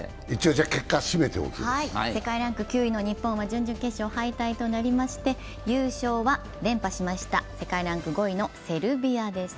世界ランク９位の日本は準々決勝敗退となりまして、優勝は、連覇しました世界ランク５位のセルビアです。